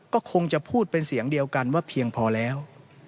ก็คงจะพูดเป็นเสียงเดียวกันว่าเพียงพอแล้ว